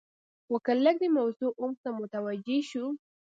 خو که لږ د موضوع عمق ته متوجې شو.